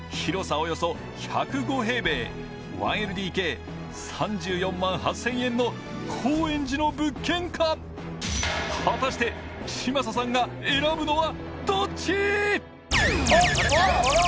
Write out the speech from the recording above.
およそ１０５平米１ＬＤＫ３４万８０００円の高円寺の物件か果たして嶋佐さんが選ぶのはどっち？